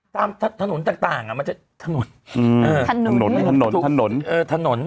สามถ้าถนต่างอ่ะมันจะทะหนน